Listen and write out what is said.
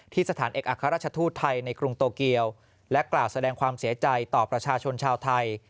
สถานเอกอัครราชทูตไทยในกรุงโตเกียวและกล่าวแสดงความเสียใจต่อประชาชนชาวไทย